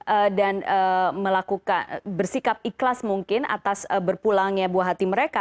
memilih untuk tidak melanjutkan dan melakukan bersikap ikhlas mungkin atas berpulangnya buah hati mereka